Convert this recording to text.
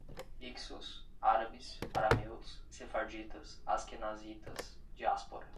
Hicsos, árabes, arameus, sefarditas, asquenazitas, diáspora